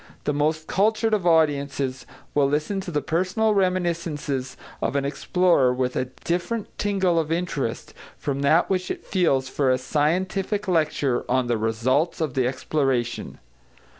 The most cultured of audiences will listen to the personal reminiscences of an explorer with a different tingle of interest from that which it feels for a scientific lecture on the results of the exploration.